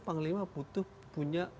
panglima butuh punya